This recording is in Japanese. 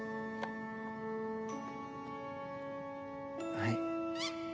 はい。